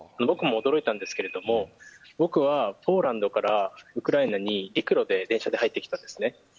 僕も驚いたんですけども僕はポーランドからウクライナに陸路で、電車で入ってきたんです。